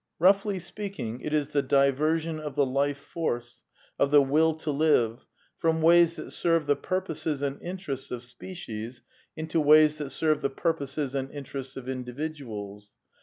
Roughly speaking, it is the diversion of the Life Force, of the Will to live, from ways that serve the purposes and interests of species, into ways tiiat serve the purposes and interests of individuals.